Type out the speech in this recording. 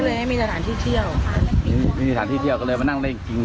ก็เลยไม่มีสถานที่เที่ยวไม่มีสถานที่เที่ยวก็เลยมานั่งเล่นกินกันใช่